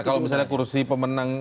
kalau misalnya kursi pemenang